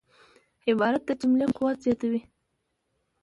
عبارت د جملې قوت زیاتوي.